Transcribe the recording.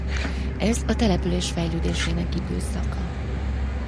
Ez a település fejlődésének időszaka.